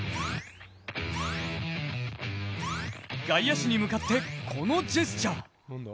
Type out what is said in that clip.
外野手に向かってこのジェスチャー。